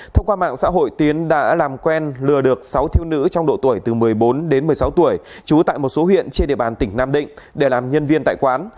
thông qua mạng xã hội tiến đã làm quen lừa được sáu thiếu nữ trong độ tuổi từ một mươi bốn đến một mươi sáu tuổi trú tại một số huyện trên địa bàn tỉnh nam định để làm nhân viên tại quán